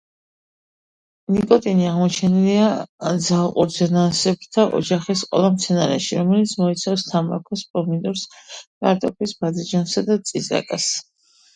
ნიკოტინი აღმოჩენილია ძაღლყურძენასებრთა ოჯახის ყველა მცენარეში, რომელიც მოიცავს თამბაქოს, პომიდორს, კარტოფილს, ბადრიჯანსა და წიწაკას